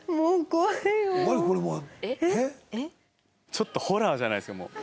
ちょっとホラーじゃないですかもう。